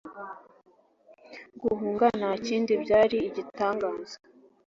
Guhunga ntakindi byari igitangaza.